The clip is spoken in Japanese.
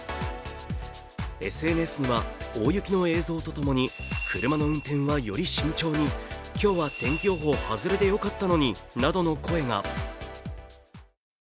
ＳＮＳには、大雪の映像と共に車の運転はより慎重に、今日は天気予報、はずれでよかったのに、などの声が。